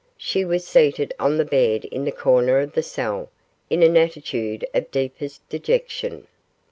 She was seated on the bed in the corner of the cell, in an attitude of deepest dejection.